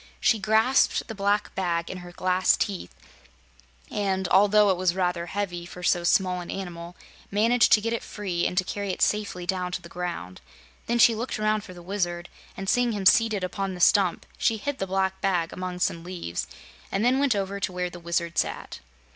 She grasped the black bag in her glass teeth, and although it was rather heavy for so small an animal, managed to get it free and to carry it safely down to the ground. Then she looked around for the Wizard and seeing him seated upon the stump she hid the black bag among some leaves and then went over to where the Wizard sat.